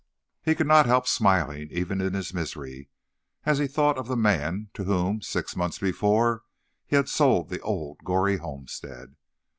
He could not help smiling, even in his misery, as he thought of the man to whom, six months before, he had sold the old Goree homestead.